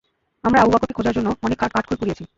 আমরা আবু বকরকে খোঁজার জন্য অনেক কাঠখড় পুড়িয়েছি।